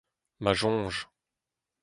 ma soñj